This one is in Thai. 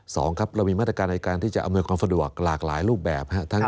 สองครับเรามีมาตรการในการที่จะอำนวยความสะดวกหลากหลายรูปแบบครับ